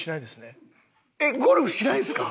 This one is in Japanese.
えっゴルフしないんですか？